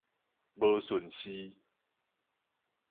無順序